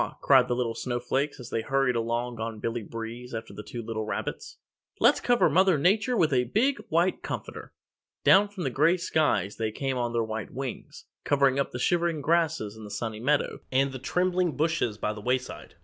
cried the little Snow Flakes as they hurried along on Billy Breeze after the two little rabbits, "Let's cover Mother Nature with a big white comforter!" Down from the gray skies they came on their white wings, covering up the shivering grasses in the Sunny Meadow and the trembling bushes by the wayside.